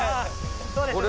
そうです。